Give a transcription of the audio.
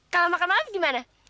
kalau makan malam gimana